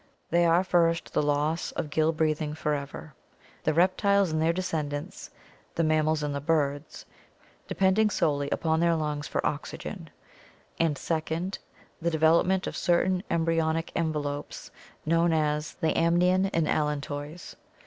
They are, first, the loss of gill breathing forever, the reptiles and their descendants — the mammals and birds — depending solely upon their lungs for oxygen; and second, the develop ment of certain embry onic envelopes known as the amnion and allantois.